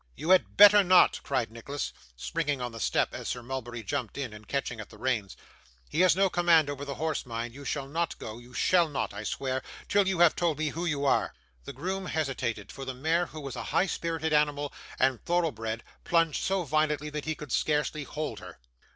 'You had better not,' cried Nicholas, springing on the step as Sir Mulberry jumped in, and catching at the reins. 'He has no command over the horse, mind. You shall not go you shall not, I swear till you have told me who you are.' The groom hesitated, for the mare, who was a high spirited animal and thorough bred, plunged so violently that he could scarcely hold her.